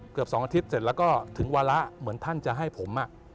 เกือบสองอาทิตย์เสร็จแล้วก็ถึงวาระเหมือนท่านจะให้ผมอ่ะ